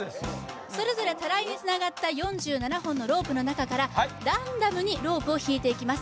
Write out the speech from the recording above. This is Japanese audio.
それぞれタライにつながった４７本のロープのなかからランダムにロープを引いていきます